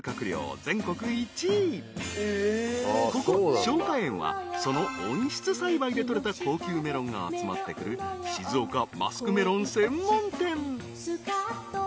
［ここ松香園はその温室栽培で取れた高級メロンが集まってくる静岡マスクメロン専門店］